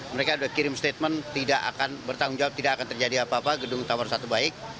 mereka sudah kirim statement tidak akan bertanggung jawab tidak akan terjadi apa apa gedung tower satu baik